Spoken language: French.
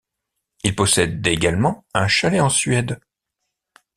Il possède également un chalet en Suède.